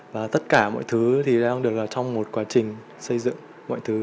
và tất cả mọi thứ thì đang được trong một quá trình xây dựng mọi thứ